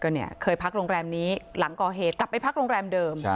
เนี่ยเคยพักโรงแรมนี้หลังก่อเหตุกลับไปพักโรงแรมเดิม